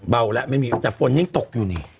เบาแล้วไม่มีแต่ฝนยังตกอยู่นี่